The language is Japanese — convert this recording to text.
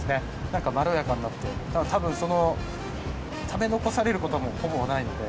なんか、まろやかになって、たぶん、食べ残されることも、ほぼないので。